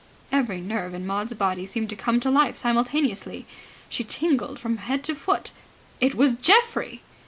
Every nerve in Maud's body seemed to come to life simultaneously. She tingled from head to foot. It was Geoffrey!